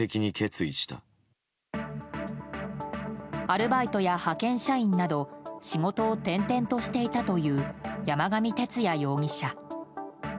アルバイトや派遣社員など仕事を転々としていたという山上徹也容疑者。